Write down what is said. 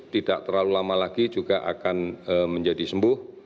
tidak terlalu lama lagi juga akan menjadi sembuh